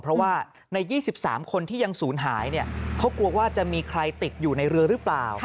เพราะว่าใน๒๓คนที่ยังศูนย์หายเขากลัวว่าจะมีใครติดอยู่ในเรือหรือเปล่า